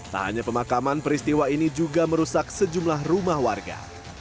tak hanya pemakaman peristiwa ini juga merusak sejumlah rumah warga